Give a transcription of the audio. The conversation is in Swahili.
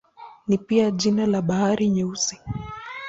Ni pia jina la Bahari Nyeusi.